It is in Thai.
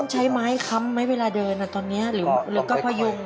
ต้องใช้ไม้ค้ำไหมเวลาเดินหรือก็พยุง